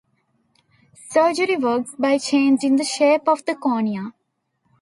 Surgery works by changing the shape of the cornea.